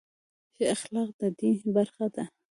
ښه اخلاق د دین برخه ده.